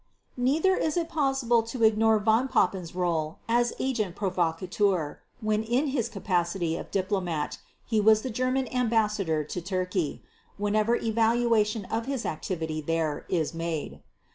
Neither is it possible to ignore Von Papen's role as agent provocateur when in his capacity of diplomat he was the German Ambassador to Turkey—whenever evaluation of his activity there is made.